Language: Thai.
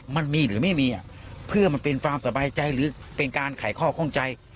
มันมีหรือไม่มีเพื่อมันเป็นความสบายใจหรือเป็นการไขข้อข้องใจ